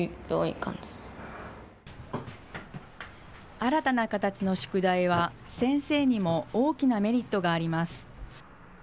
新たな形の宿題は、先生にも大きなメリットがあります。